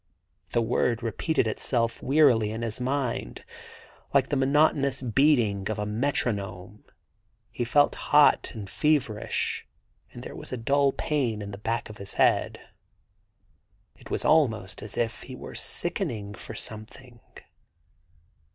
The word repeated itself wearily in his mind, like the monotonous beat ing of a metronome. He felt hot and feverish, and there was a dull pain at the back of his head. It was almost as if he were sickening for something.